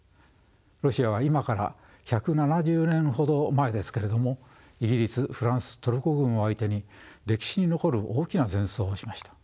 ロシアは今から１７０年ほど前ですけれどもイギリスフランストルコ軍を相手に歴史に残る大きな戦争をしました。